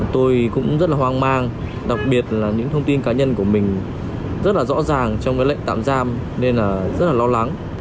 tôi cũng rất là hoang mang đặc biệt là những thông tin cá nhân của mình rất là rõ ràng trong cái lệnh tạm giam nên là rất là lo lắng